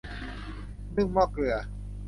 นึ่งหม้อเกลือ